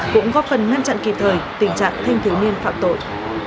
cũng góp phần ngăn chặn kịp thời tình trạng thanh thiếu niên phạm tội